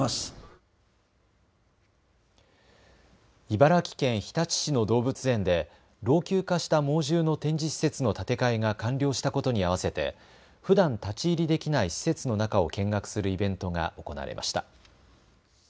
茨城県日立市の動物園で老朽化した猛獣の展示施設の建て替えが完了したことに合わせてふだん立ち入りできない施設の中を見学するイベントが行われました。